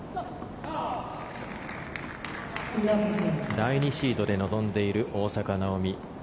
第２シードで臨んでいる大坂なおみ。